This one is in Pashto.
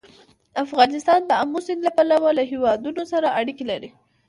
افغانستان د آمو سیند له پلوه له هېوادونو سره اړیکې لري.